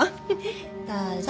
どうぞ。